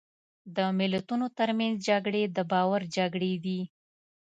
د ملتونو ترمنځ جګړې د باور جګړې دي.